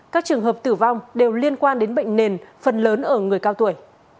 các trường hợp tử vong đều liên quan đến bệnh nền phần lớn ở người cao tuổi